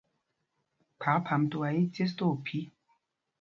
Kphák Phamtuá í í cēs tí ophī.